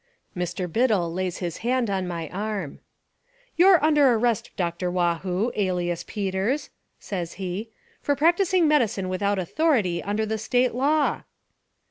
"Mr. Biddle lays his hand on my arm. " 'You're under arrest. Dr. Waugh hoo, alias Peters,' says he, 'for practising medicine with out authority under the State law.'